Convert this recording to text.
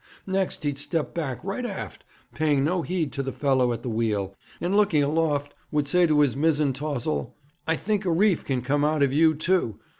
Next he'd step back right aft, paying no heed to the fellow at the wheel, and looking aloft, would say to his mizzen taws'l, "I think a reef can come out of you, too.